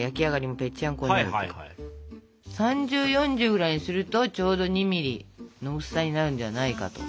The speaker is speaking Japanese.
３０４０ぐらいにするとちょうど２ｍｍの薄さになるんじゃないかと。